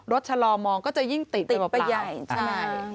รถชะลอมองก็จะยิ่งติดไปเปล่าติดไปใหญ่ใช่